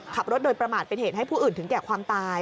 ขับรถโดยประมาทเป็นเหตุให้ผู้อื่นถึงแก่ความตาย